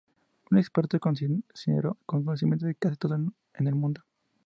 Un experto cocinero con conocimiento de casi todo en el mundo.